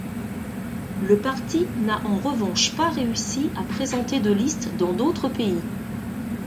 Le parti n'a en revanche pas réussi à présenter de listes dans d'autres pays.